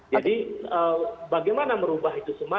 jadi bagaimana merubah itu semua